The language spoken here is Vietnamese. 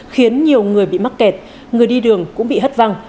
khiến nhiều người bị mắc kẹt người đi đường cũng bị hất văng